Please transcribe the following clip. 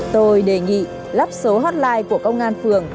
tôi đề nghị lắp số hotline của công an phường